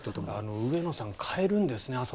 上野さんを代えるんですね。